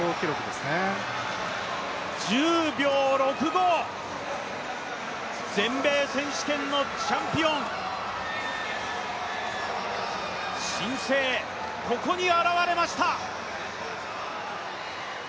１０秒６５、全米選手権のチャンピオン、新星、ここに現れました！